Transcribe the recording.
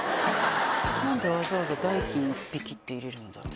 何でわざわざ「代金一匹」って入れるんだろう？